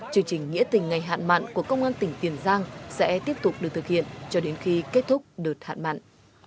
chương trình nghĩa tình ngày hạn mặn của công an tỉnh tiền giang sẽ tiếp tục được thực hiện cho đến khi kết thúc đợt hạn mặn